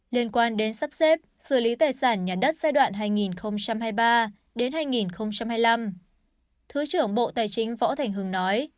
liên quan đến sắp xếp xử lý tài sản nhà đất giai đoạn hai nghìn hai mươi ba hai nghìn hai mươi năm thứ trưởng bộ tài chính võ thành hưng nói